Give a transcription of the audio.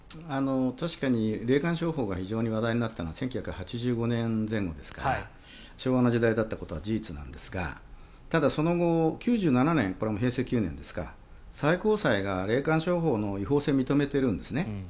確かに霊感商法が非常に話題になったのは１９８５年前後ですから昭和の時代だったことは事実なんですがただ、その後９７年これも平成９年ですか最高裁が霊感商法の違法性を認めているんですね。